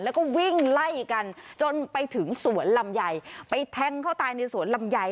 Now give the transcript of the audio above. แล้วก็วิ่งไล่กันจนไปถึงสวนลำไยไปแทงเขาตายในสวนลำไย